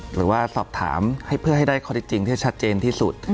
หรือว่าสอบถามให้เพื่อให้ได้ข้อที่จริงที่ชัดเจนที่สุด